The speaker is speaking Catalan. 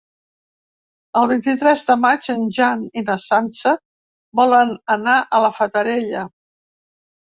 El vint-i-tres de maig en Jan i na Sança volen anar a la Fatarella.